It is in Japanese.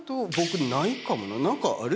何かある？